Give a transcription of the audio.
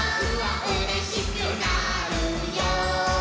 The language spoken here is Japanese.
「うれしくなるよ」